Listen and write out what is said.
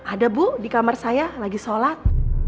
ada bu di kamar saya lagi sholat